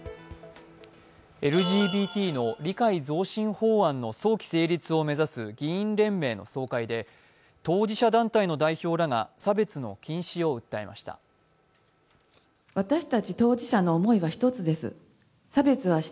ＬＧＢＴの理解増進法案の早期成立を目指す議員連盟の総会で当事者団体の代表らが差別の禁止を訴えました。